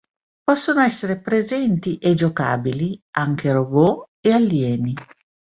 Possono essere presenti e giocabili anche robot e alieni.